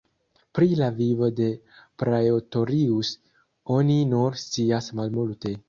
Pri la vivo de Praetorius oni nur scias malmulte.